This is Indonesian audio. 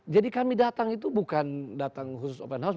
kami datang itu bukan datang khusus open house